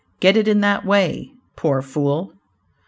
Get it in that way." Poor fool!